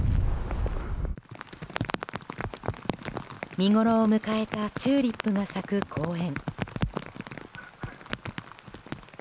見ごろを迎えたチューリップが咲く公園。